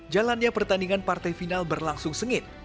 jalannya pertandingan partai final berlangsung sengit